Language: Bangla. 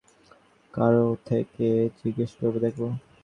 কারো কাছে ট্যাম্পন আছে কিনা জিজ্ঞেস করে দেখবো?